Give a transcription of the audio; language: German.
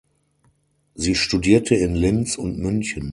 Sie studierte in Linz und München.